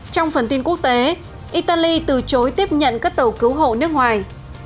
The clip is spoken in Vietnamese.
trong phần tin quốc tế italy từ chối tiếp nhận các tàu cứu hộ nước ngoài